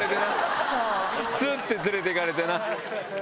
スッて連れていかれてな。